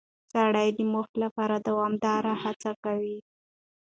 سړی د موخې لپاره دوامداره هڅه کوي